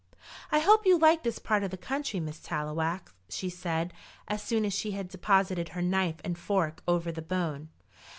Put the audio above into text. "I hope you like this part of the country, Miss Tallowax," she said, as soon as she had deposited her knife and fork over the bone.